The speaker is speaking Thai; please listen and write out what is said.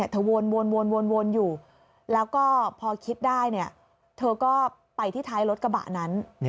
วนอยู่แล้วก็พอคิดได้เธอก็ไปที่ท้ายรถกระบะนั้น